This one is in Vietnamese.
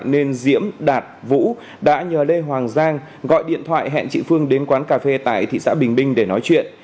nên diễm đạt vũ đã nhờ lê hoàng giang gọi điện thoại hẹn chị phương đến quán cà phê tại thị xã bình minh để nói chuyện